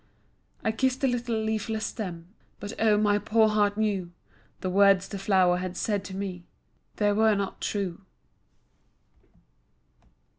I kissed the little leafless stem, But oh, my poor heart knew The words the flower had said to me, They were not true.